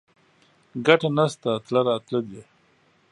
ګټه نشته تله راتله دي